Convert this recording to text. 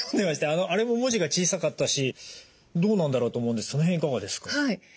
あのあれも文字が小さかったしどうなんだろうと思うんですがその辺いかがですか？